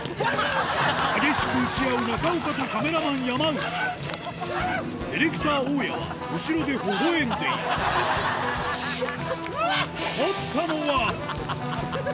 激しく打ち合う中岡とカメラマン山内ディレクター大矢は後ろでほほ笑んでいるうわっ！